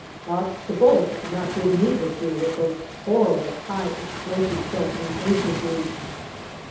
But the bullets do not give me the fear that those horrible high explosive shells from Asia do.